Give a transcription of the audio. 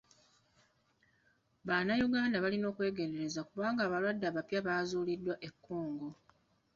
Bannayuganda balina okwegendereza kubanga abalwadde abapya bazuuliddwa e Congo